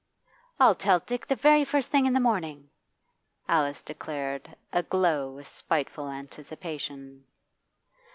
'I'll tell Dick the very first thing in the morning!' Alice declared, aglow with spiteful anticipation.